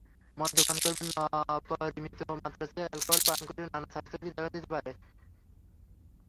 মদ্যপান করবেন নাপরিমিত মাত্রার চেয়ে অ্যালকোহল পান করলে নানা স্বাস্থ্যঝুঁকি দেখা দিতে পারে।